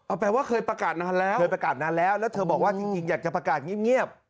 อ้าวแปลว่าเคยประกาศนานแล้วแล้วเธอบอกว่าจริงอยากจะประกาศเงียบ